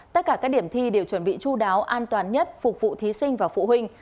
tất cả các điểm thi đều chuẩn bị chú đáo an toàn nhất phục vụ thí sinh và phụ huynh